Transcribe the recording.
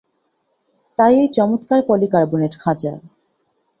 তাই এই চমৎকার পলিকার্বনেট খাঁচা।